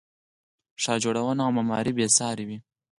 ښار جوړونه او معمارۍ بې ساري وه